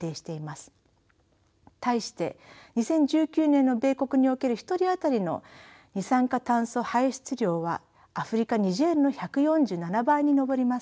対して２０１９年の米国における１人あたりの二酸化炭素排出量はアフリカニジェールの１４７倍に上ります。